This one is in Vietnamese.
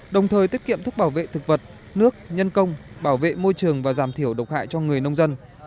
đồng thời tiết kiệm thuốc bảo vệ thực vật nước nhân công bảo vệ môi trường và giảm thiểu độc hại cho người nông dân